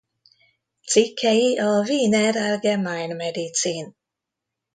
Cikkei a Wiener Allgemeine medicin.